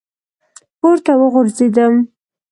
پـورتـه وغورځـېدم ،